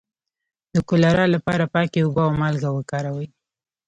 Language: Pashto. د کولرا لپاره پاکې اوبه او مالګه وکاروئ